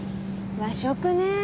和食ねえ。